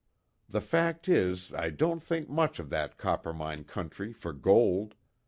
The fact is, I don't think much of that Coppermine country for gold.